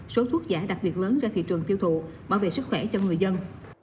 số thuốc giả đặc biệt lớn ra thị trường tiêu thụ bảo vệ sức khỏe cho người dân